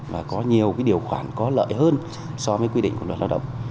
và có nhiều điều khoản có lợi hơn so với quy định của luật lao động